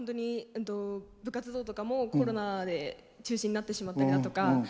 部活動とかもコロナで中止になってしまったりだとか